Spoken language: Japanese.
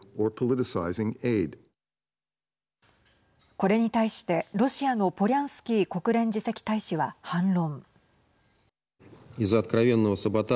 これに対してロシアのポリャンスキー国連次席大使は反論。